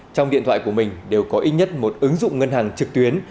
trong điện thoại của mình đều có ít nhất một ứng dụng ngân hàng trực tuyến